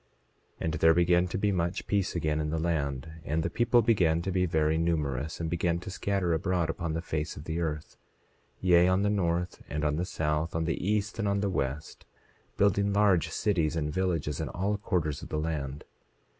27:6 And there began to be much peace again in the land; and the people began to be very numerous, and began to scatter abroad upon the face of the earth, yea, on the north and on the south, on the east and on the west, building large cities and villages in all quarters of the land.